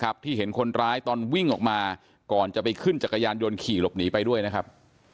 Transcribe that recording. ที่เห็นคนร้ายตอนวิ่งออกมาก่อนจะไปขึ้นจักรยานยนต์ขี่หลบหนีไปด้วยนะครับ